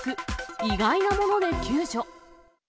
意外なもので救助。